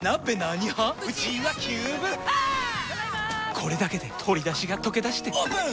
これだけで鶏だしがとけだしてオープン！